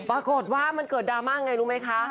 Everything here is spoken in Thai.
ปรากฏว่ามันเกิดดราม่าไงรู้ไหมคะ